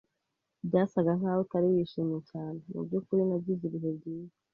"Byasaga nkaho utari wishimye cyane." "Mubyukuri, nagize ibihe byiza."